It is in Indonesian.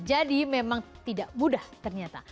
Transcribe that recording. jadi memang tidak mudah ternyata